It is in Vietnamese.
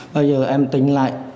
bây giờ em tính lại